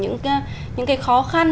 những cái khó khăn